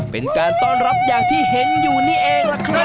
เป็นการต้อนรับอย่างที่เห็นอยู่นี่เองล่ะครับ